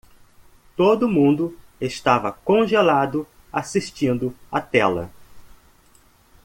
Todo mundo estava congelado assistindo a tela.